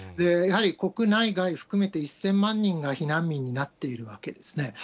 やはり国内外含めて１０００万人が避難民になっているわけですね。